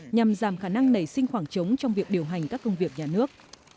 nhằm giảm khả năng nảy sinh khoảng trống trong việc điều hành các công việc nhà nước